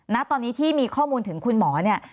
ณตอนนี้ที่มีข้อมูลถึงคุณหมอเนี่ย